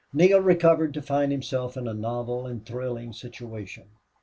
Neale recovered to find himself in a novel and thrilling situation.